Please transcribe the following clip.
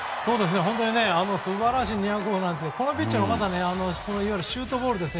素晴らしい２００号ですがこのピッチャーはシュートボールですね。